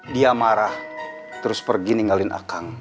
dia marah terus pergi ninggalin akang